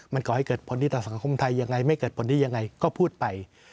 มันก่อให้เกิดผลดีต่อสังคมไทยยังไงไม่เกิดผลดียังไงก็พูดไป